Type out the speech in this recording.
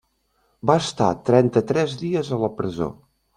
Va estar trenta-tres dies a la presó.